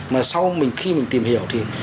mà sau khi mình tìm hiểu thì